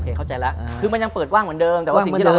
อ๋อโอเคเข้าใจแล้วคือมันยังเปิดว่างเหมือนเดิม